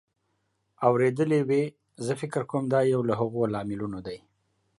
اورېدلې وې. زه فکر کوم دا یو له هغو لاملونو دی